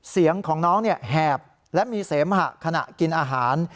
เสียงของน้องแหบและมีเสมหะขณะกินอาหาร